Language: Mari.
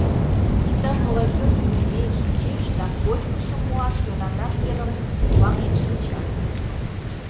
Иктаж-могай пӧрт вуйыш миен шинчеш да кочкышым муаш йӧнанрак верым ваҥен шинча.